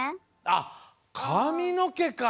あっ髪の毛か！